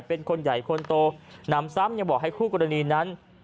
เป็นคนใหญ่คนโตนำซ้ำยังบอกให้คู่กรณีนั้น